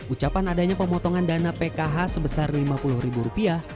ucapan adanya pemotongan dana pkh sebesar lima puluh ribu rupiah